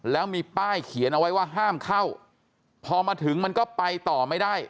แล้วมีป้ายเขียนเอาไว้ว่าห้ามเข้าพอมาถึงมันก็ไปต่อไม่ได้